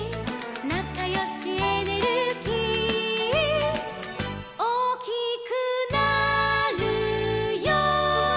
「なかよしエネルギー」「おおきくなるよ」